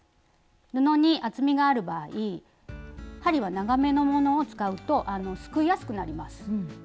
布に厚みがある場合針は長めのものを使うとすくいやすくなります。